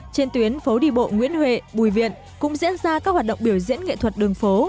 trên tuyến phố đi bộ nguyễn huệ bùi viện cũng diễn ra các hoạt động biểu diễn nghệ thuật đường phố